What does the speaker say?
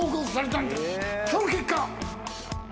その結果。